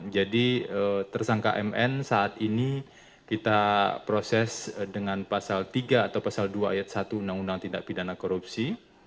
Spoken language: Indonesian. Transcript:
jadi tersangka mn saat ini kita proses dengan pasal tiga atau pasal dua ayat satu undang undang tindak pidana korupsi